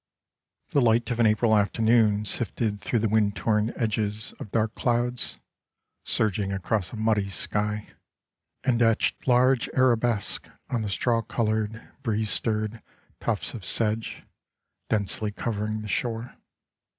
The light of an April afternoon sifted through the wind torn edges of dark clouds, surging across a muddy sky, and etched large arabesques on the straw colored, breeze stirred, tufts of sedge, densely covering the shore.